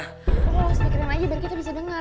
oh semakin keren aja biar kita bisa dengar